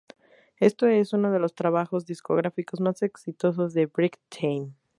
Este es uno de los trabajos discográficos más exitosos de Brightman.